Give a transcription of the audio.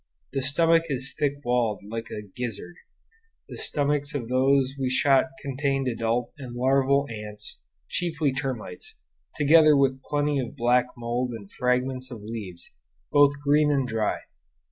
The stomach is thick walled, like a gizzard; the stomachs of those we shot contained adult and larval ants, chiefly termites, together with plenty of black mould and fragments of leaves, both green and dry.